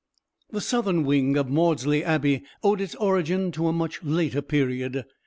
The southern wing of Maudesley Abbey owed its origin to a much later period.